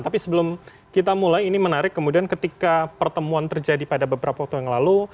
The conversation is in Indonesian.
tapi sebelum kita mulai ini menarik kemudian ketika pertemuan terjadi pada beberapa waktu yang lalu